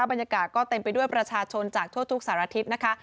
บรรยากาศก็เต็มไปด้วยประชาชนจากทั่วทุกสารทิศนะคะ